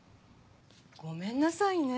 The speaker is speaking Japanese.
ごめんなさいね。